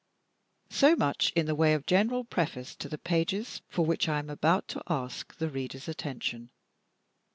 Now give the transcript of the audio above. So much in the way of general preface to the pages for which I am about to ask the reader's attention.